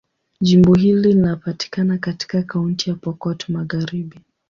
Jimbo hili linapatikana katika Kaunti ya Pokot Magharibi.